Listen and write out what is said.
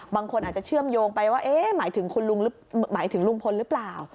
บางคนอาจจะเชื่อมโยงไปว่าหมายถึงลุงพลหรือเปล่า